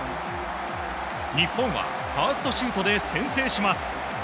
日本はファーストシュートで先制します。